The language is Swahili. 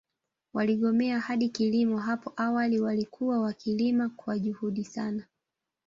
Waligomea hadi kilimo hapo awali walikuwa wakilima kwa juhudi sana